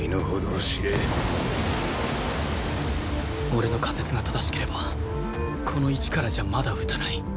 俺の仮説が正しければこの位置からじゃまだ撃たない